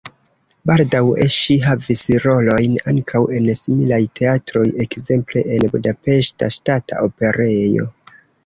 Baldaŭe ŝi havis rolojn ankaŭ en similaj teatroj, ekzemple en Budapeŝta Ŝtata Operejo.